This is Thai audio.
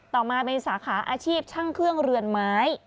ต่อมาเป็นสาขาอาชีพช่างเครื่องเรือนไม้